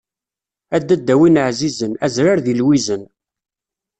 A dadda win ɛzizen, azrar deg lwizen.